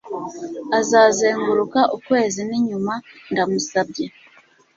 azazenguruka ukwezi ninyuma, ndamusabye